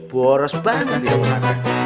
boros banget ya orangnya